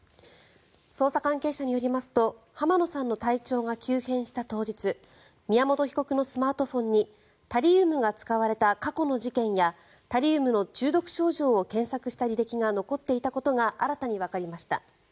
捜査関係者によりますと浜野さんの体調が急変した当日宮本被告のスマートフォンにタリウムが使われた過去の事件やタリウムの中毒症状を検索した履歴が残っていたことが新たにわかりました。